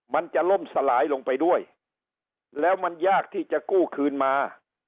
มันจะล่มสลายลงไปด้วยแล้วมันยากที่จะกู้คืนมา